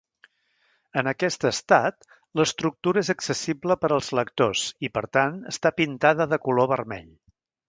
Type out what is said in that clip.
En aquest estat, l'estructura és accessible per als lectors i, per tant, està pintada de color vermell.